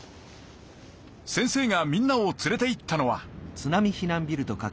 先生がみんなを連れていったのは。